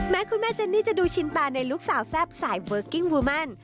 คุณแม่เจนนี่จะดูชินตาในลูกสาวแซ่บสายเวิร์กกิ้งวูแมน